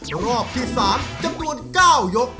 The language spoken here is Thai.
รอบที่๓จำนวน๙ยก